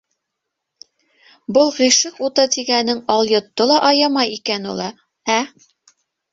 Был ғишыҡ уты тигәнең алйотто ла аямай икән ул, ә?!